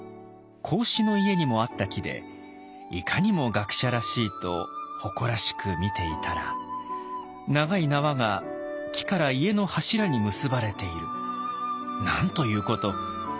孔子の家にもあった木でいかにも学者らしいと誇らしく見ていたら長い縄が木から家の柱に結ばれているなんということ！